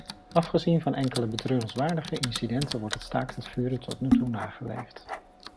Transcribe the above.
Afgezien van enkele betreurenswaardige incidenten wordt het staakt-het-vuren tot nu toe nageleefd.